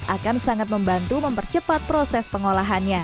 akan sangat membantu mempercepat proses pengolahannya